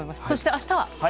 そしてあしたは。